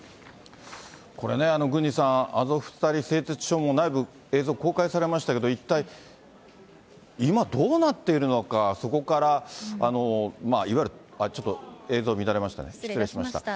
これね、郡司さん、アゾフスタリ製鉄所も内部、映像公開されましたけども、一体、今、どうなっているのか、そこから、いわゆる、失礼いたしました。